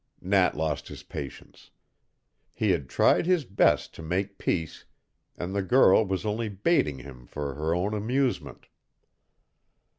Nat lost his patience. He had tried his best to make peace, and the girl was only baiting him for her own amusement.